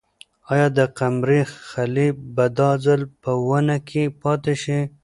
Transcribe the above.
آیا د قمرۍ خلی به دا ځل په ونې کې پاتې شي؟